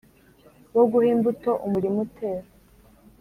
wo guha imbuto umurima utera